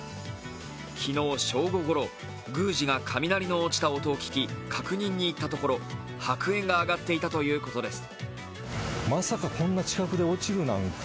昨日正午ごろ、宮司が雷が落ちた音を聞き、確認に行ったところ白煙が上がっていたということです。